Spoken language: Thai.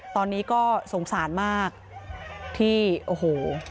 ตอนนี้ก็สงสารมากที่โอ้โห